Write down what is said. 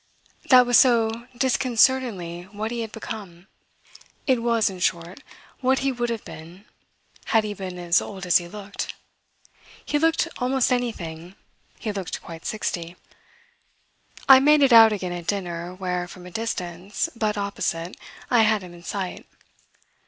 That was so disconcertingly what he had become. It was in short what he would have been had he been as old as he looked. He looked almost anything he looked quite sixty. I made it out again at dinner, where, from a distance, but opposite, I had him in sight.